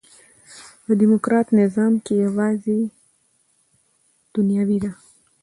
په ډيموکراټ نظام کښي یوازي دنیوي ده.